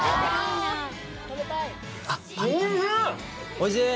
おいしい？